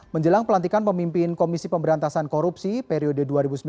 menjelang pelantikan pemimpin komisi pemberantasan korupsi periode dua ribu sembilan belas dua ribu dua puluh